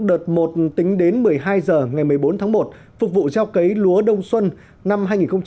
đợt một tính đến một mươi hai h ngày một mươi bốn tháng một phục vụ gieo cấy lúa đông xuân năm hai nghìn một mươi sáu hai nghìn một mươi bảy